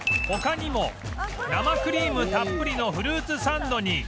他にも生クリームたっぷりのフルーツサンドに